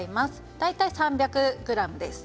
大体３００ｇです。